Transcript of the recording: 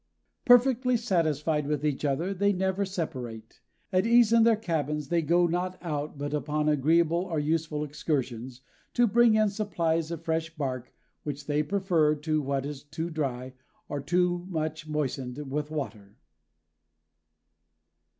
Perfectly satisfied with each other, they never separate. At ease in their cabins, they go not out but upon agreeable or useful excursions, to bring in supplies of fresh bark, which they prefer to what is too dry or too much moistened with water."